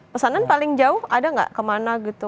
pesanan paling jauh ada nggak kemana gitu